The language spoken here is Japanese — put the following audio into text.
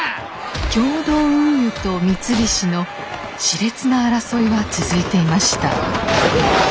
共同運輸と三菱の熾烈な争いは続いていました。